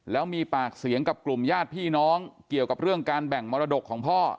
แล้วมีปากเสียงกับกลุ่มญาติพี่น้องเกี่ยวกับเรื่องการแบ่งมรดกของพ่อ